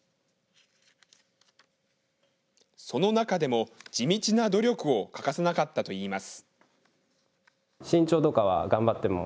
その中でも地道な努力を欠かさなかったといいます。